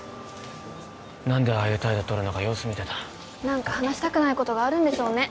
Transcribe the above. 何でああいう態度とるのか様子見てた何か話したくないことがあるんでしょうね